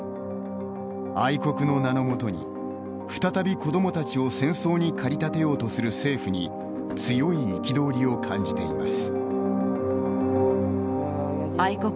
愛国の名の下に再び子どもたちを戦争に駆り立てようとする政府に強い憤りを感じています。